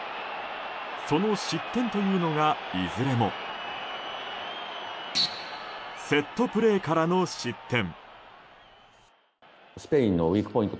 その失点というのが、いずれもセットプレーからの失点。